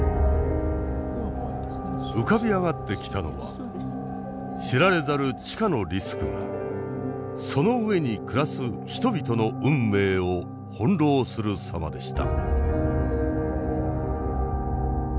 浮かび上がってきたのは知られざる地下のリスクがその上に暮らす人々の運命を翻弄するさまでした。